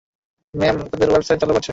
Ma'am, তাদের website চালু করেছে।